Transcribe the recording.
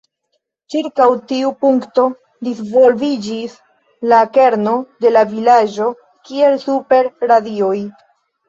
Ĉirkaŭ tiu punkto disvolviĝis la kerno de la vilaĝo kiel super radioj.